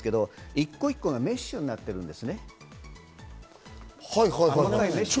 一個一個がメッシュになっているんです。